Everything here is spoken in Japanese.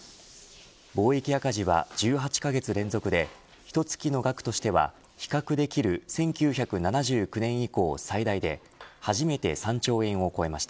貿易赤字は１８カ月連続でひと月の額としては比較できる１９７９年以降最大で初めて３兆円を超えました。